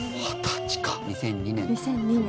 ２００２年。